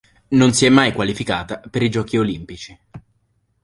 Non si è mai qualificata per i Giochi olimpici.